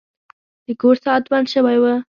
د کور ساعت بند شوی و.